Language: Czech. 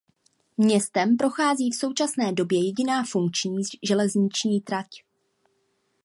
Městem prochází v současné době jediná funkční železniční trať.